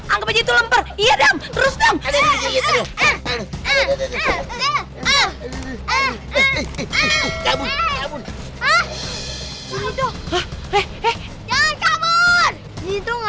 anggap aja itu lempar ia dan terus tak ada di situ